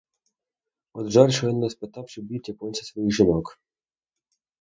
От жаль, що я не спитав, чи б'ють японці своїх жінок?